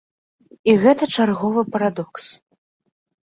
І гэта чарговы парадокс.